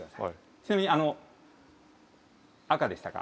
ちなみに赤でしたか？